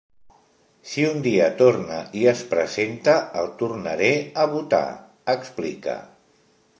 Si un dia torna i es presenta, el tornaré a votar, explica.